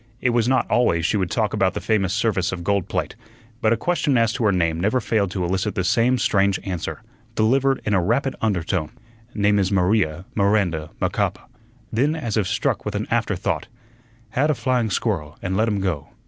It was not always she would talk about the famous service of gold plate, but a question as to her name never failed to elicit the same strange answer, delivered in a rapid undertone: "Name is Maria Miranda Macapa." Then, as if struck with an after thought, "Had a flying squirrel an' let him go."